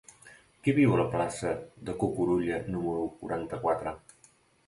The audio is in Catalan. Qui viu a la plaça de Cucurulla número quaranta-quatre?